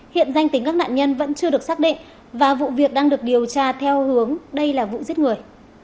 hiện danh tính các nạn nhân vẫn chưa được xác định và vụ việc đang được điều tra theo hướng đây là vụ giết người